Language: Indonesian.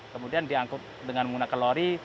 kemudian diangkut dengan menggunakan lori